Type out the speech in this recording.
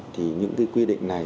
thì những cái quy định này